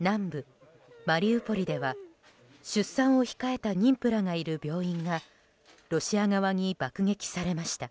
南部マリウポリでは出産を控えた妊婦らがいる病院がロシア側に爆撃されました。